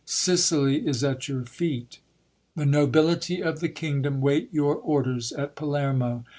Sicily is at your feet. The nobility of the kingdom wait your orders at Palermo.